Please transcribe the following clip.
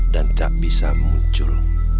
dan tak bisa muncul